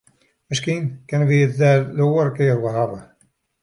Miskien kinne wy it der in oare kear oer hawwe.